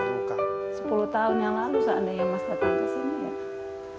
sepuluh tahun yang lalu saatnya mas datang ke sini